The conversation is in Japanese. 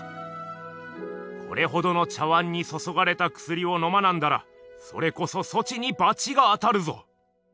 「これほどの茶碗にそそがれたくすりをのまなんだらそれこそそちにばちが当たるぞ」。